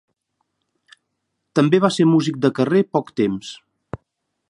També va ser músic de carrer poc temps.